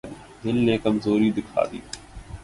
دل نے کمزوری دکھا دی۔